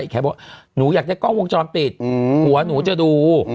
ใครบอกหนูอยากได้กล้องวงจรปิดหัวหนูจะดู